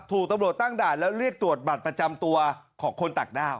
ถูกตำรวจตั้งด่านแล้วเรียกตรวจบัตรประจำตัวของคนต่างด้าว